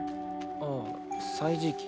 ああ歳時記。